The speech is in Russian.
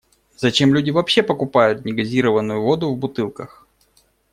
Зачем люди вообще покупают негазированную воду в бутылках?